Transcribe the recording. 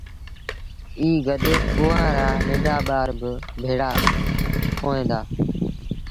ائيٚݩ گڏ اُئآݩ رآ ننڍآ ٻآر با ڀيڙآ هوئين دآ